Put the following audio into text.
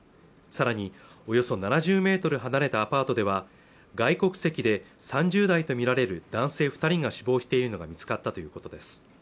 さらにおよそ７０メートル離れたアパートでは外国籍で３０代とみられる男性二人が死亡しているのが見つかったということです